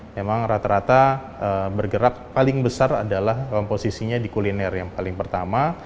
memang rata rata bergerak paling besar adalah komposisinya di kuliner yang paling pertama